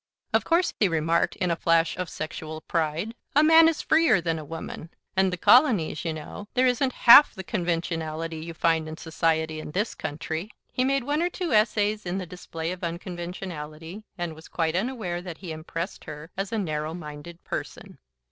"Of course," he remarked, in a flash of sexual pride, "a man is freer than a woman. End in the Colonies, y'know, there isn't half the Conventionality you find in society in this country." He made one or two essays in the display of unconventionality, and was quite unaware that he impressed her as a narrow minded person.